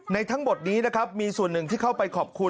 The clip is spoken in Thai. ทั้งหมดนี้นะครับมีส่วนหนึ่งที่เข้าไปขอบคุณ